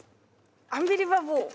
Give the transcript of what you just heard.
アンビリバボー！